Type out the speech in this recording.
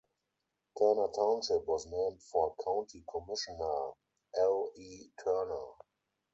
Turner Township was named for county commissioner L. E. Turner.